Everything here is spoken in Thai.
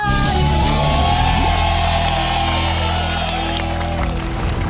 เย้